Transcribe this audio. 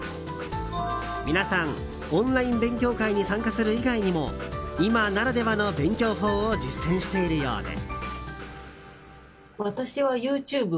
皆さん、オンライン勉強会に参加する以外にも今ならではの勉強法を実践しているようで。